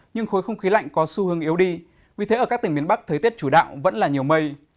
nhưng khối không khí lạnh có xu hướng yếu đi vì thế ở các tỉnh miền bắc thời tiết chủ đạo vẫn là nhiều mây